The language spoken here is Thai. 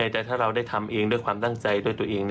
แต่ถ้าเราได้ทำเองด้วยความตั้งใจด้วยตัวเอง